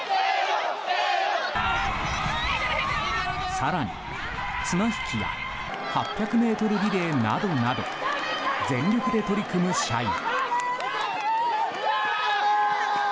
更に、綱引きや８００ｍリレーなどなど全力で取り組む社員。